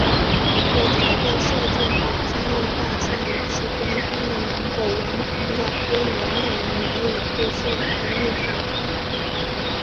舞台的设定和他们在下雨期间他们能够完成的规模令人难以置信和印象深刻。